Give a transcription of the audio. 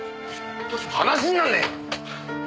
話になんねえ！